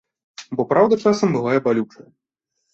Бо праўда часам бывае балючая.